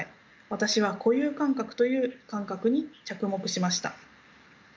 私は固有感覚という感覚に着目しました。